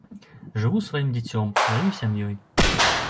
Жыву сваім дзіцём, сваёй сям'ёй.